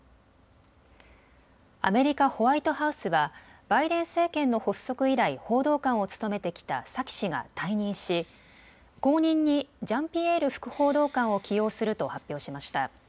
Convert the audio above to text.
アメリカ・ホワイトハウスはバイデン政権の発足以来、報道官を務めてきたサキ氏が退任し後任にジャンピエール副報道官を起用すると発表しました。